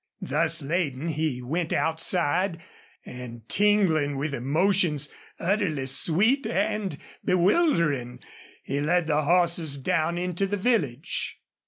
Thus laden, he went outside and, tingling with emotions utterly sweet and bewildering, he led the horses down into the village.